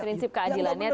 prinsip keadilannya tidak